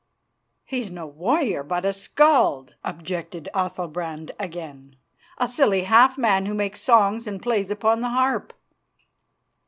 "He's no warrior, but a skald," objected Athalbrand again; "a silly half man who makes songs and plays upon the harp."